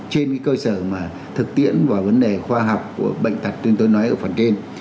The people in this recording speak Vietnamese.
trên cơ sở mà thực tiễn và vấn đề khoa học của bệnh tật nên tôi nói ở phần trên